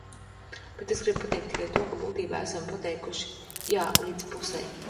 "Bet es gribu pateikt tikai to, ka būtībā mēs esam pateikuši "jā" līdz pusei."